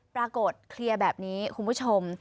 เคลียร์แบบนี้คุณผู้ชม